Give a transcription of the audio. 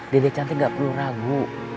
dede cantik gak perlu ragu